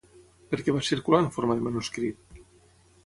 Per què va circular en forma de manuscrit?